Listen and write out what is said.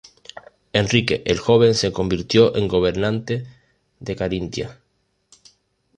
Enrique "el Joven" se convirtió en gobernante de Carintia.